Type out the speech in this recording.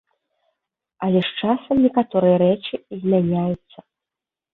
Але ж з часам некаторыя рэчы змяняюцца.